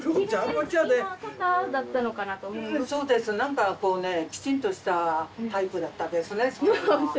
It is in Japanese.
何かきちんとしたタイプだったですね。